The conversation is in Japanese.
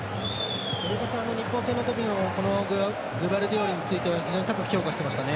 森岡さん、日本戦のときこのグバルディオルについては非常に高く評価していましたね。